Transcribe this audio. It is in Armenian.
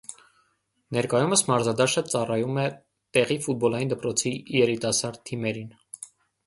Ներկայումս մարզադաշտը ծառայում է տեղի ֆուտբոլային դպրոցի երիտասարդ թիմերին։